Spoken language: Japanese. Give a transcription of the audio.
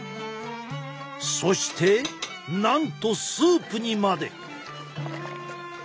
そしてなんとスープにまで。